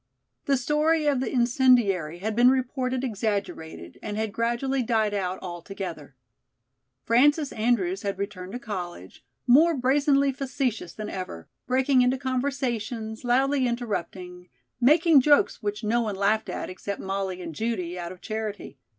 The story of the incendiary had been reported exaggerated and had gradually died out altogether. Frances Andrews had returned to college, more brazenly facetious than ever, breaking into conversations, loudly interrupting, making jokes which no one laughed at except Molly and Judy out of charity.